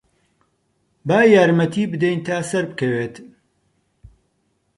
با یارمەتیی بدەین تا سەربکەوێت.